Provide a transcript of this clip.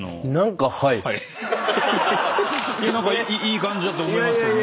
何かいい感じだと思いますけどね。